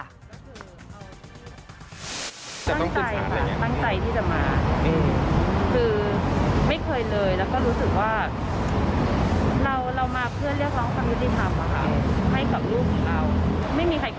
อะไรที่มันแบบเกินไป